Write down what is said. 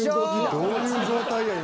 どういう状態や？